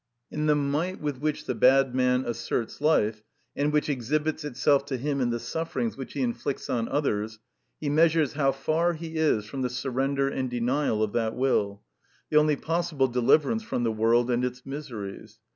In the might with which the bad man asserts life, and which exhibits itself to him in the sufferings which he inflicts on others, he measures how far he is from the surrender and denial of that will, the only possible deliverance from the world and its miseries.